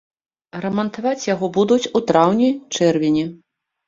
Рамантаваць яго будуць у траўні-чэрвені.